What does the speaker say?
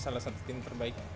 salah satu tim terbaik